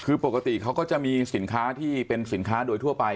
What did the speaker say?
คือปกติเขาก็จะมีสินค้าที่เป็นสินค้าโดยทั่วไป